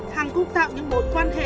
hằng cũng tạo những mối quan hệ